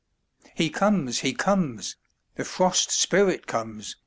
He comes, he comes, the Frost Spirit comes!